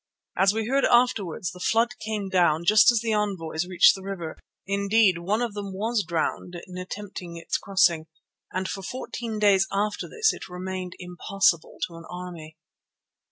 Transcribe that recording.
As we heard afterwards, the flood came down just as the envoys reached the river; indeed, one of them was drowned in attempting its crossing, and for fourteen days after this it remained impassable to an army.